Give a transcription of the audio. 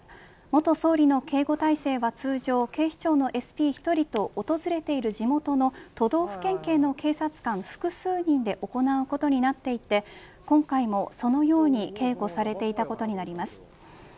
元総理の警護態勢は通常警視庁のＳＰ１人と訪れている地元の都道府県警の警察官複数人で行うことになっていて、今回もそのように警護されていたことになります。